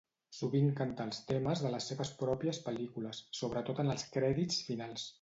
Sovint canta els temes de les seves pròpies pel·lícules, sobretot en els crèdits finals.